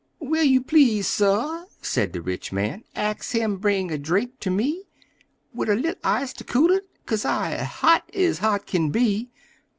"Will you please, suh," say de rich man, "ax him bring a drink ter me, Wid a li'l' ice ter cool it? Kaze I hot ez hot kin be!"